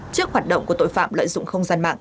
trước hoạt động của tội phạm lợi dụng không gian mạng